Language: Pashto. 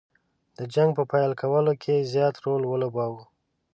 د جنګ په پیل کولو کې زیات رول ولوباوه.